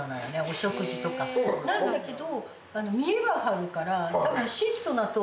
なんだけど。